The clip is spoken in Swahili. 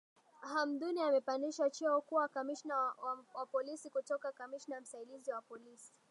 Hamduni amepandishwa cheo kuwa kamishna wa polisi kutoka kamishna msaidizi wa polisi